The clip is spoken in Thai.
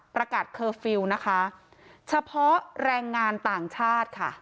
เคอร์ฟิลล์นะคะเฉพาะแรงงานต่างชาติค่ะ